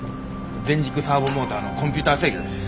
全軸サーボモーターのコンピューター制御です。